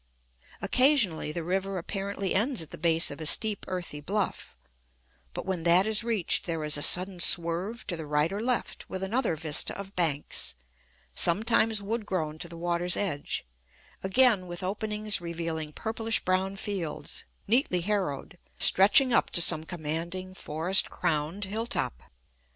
Occasionally the river apparently ends at the base of a steep, earthy bluff; but when that is reached there is a sudden swerve to the right or left, with another vista of banks, sometimes wood grown to the water's edge, again with openings revealing purplish brown fields, neatly harrowed, stretching up to some commanding, forest crowned hill top.